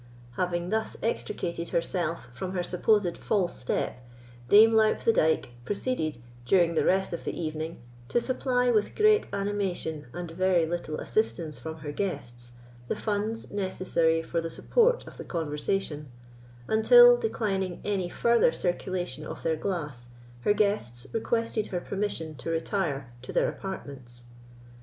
Having thus extricated herself from her supposed false step, Dame Loup the Dyke proceeded, during the rest of the evening, to supply, with great animation, and very little assistance from her guests, the funds necessary for the support of the conversation, until, declining any further circulation of their glass, her guests requested her permission to retire to their apartments.